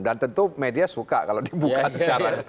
dan tentu media suka kalau dibuka secara